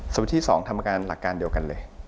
วิธีที่๒ทำการหลักการเดียวกันเลย